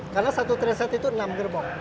karena satu train set itu enam gerbong